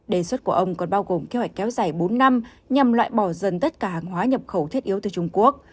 đề xuất của ông còn bao gồm kế hoạch kéo dài bốn năm nhằm loại bỏ dần tất cả hàng hóa nhập khẩu thiết yếu từ trung quốc